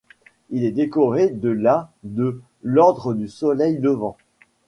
Il est décoré de la de l'Ordre du Soleil levant.